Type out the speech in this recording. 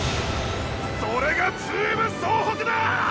それがチーム総北だ！